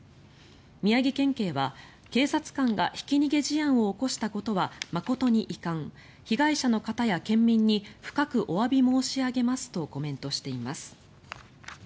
宮城県警は、警察官がひき逃げ事案を起こしたことは誠に遺憾被害者の方や県民に深くおわび申し上げますとコメントしています。